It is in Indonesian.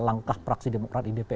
langkah praksi demokrat di dpr